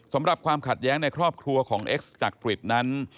สำหรับความขัดแย้งในครอบครัวของเอ็กซจากกริจนั้น